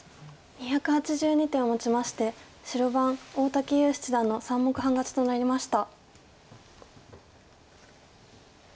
２８２手をもちまして白番大竹優七段の３目半勝ちとなりました。